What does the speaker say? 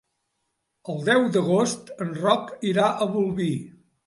El deu d'agost en Roc irà a Bolvir.